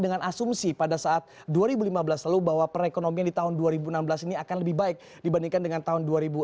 dengan asumsi pada saat dua ribu lima belas lalu bahwa perekonomian di tahun dua ribu enam belas ini akan lebih baik dibandingkan dengan tahun dua ribu enam belas